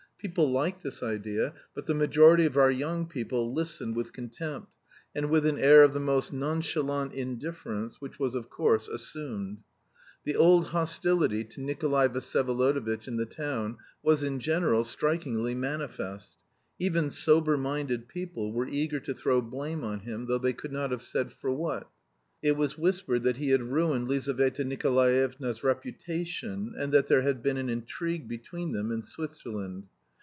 People liked this idea, but the majority of our young people listened with contempt, and with an air of the most nonchalant indifference, which was, of course, assumed. The old hostility to Nikolay Vsyevolodovitch in the town was in general strikingly manifest. Even sober minded people were eager to throw blame on him though they could not have said for what. It was whispered that he had ruined Lizaveta Nikolaevna's reputation, and that there had been an intrigue between them in Switzerland.